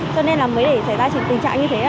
cho nên là mới để xảy ra tình trạng như thế